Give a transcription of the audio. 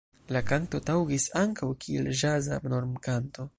La kanto taŭgis ankaŭ kiel ĵaza normkanto.